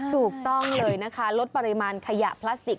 ถูกต้องเลยนะคะลดปริมาณขยะพลาสติก